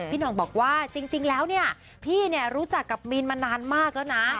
หน่องบอกว่าจริงแล้วเนี่ยพี่เนี่ยรู้จักกับมีนมานานมากแล้วนะ